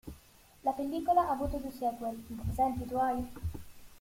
La pellicola ha avuto due sequel: "Mi presenti i tuoi?